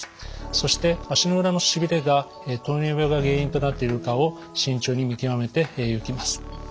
そして足の裏のしびれが糖尿病が原因となっているかを慎重に見極めていきます。